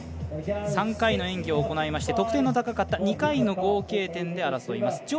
３回の演技を行いまして得点の高かった２回の合計点で争います。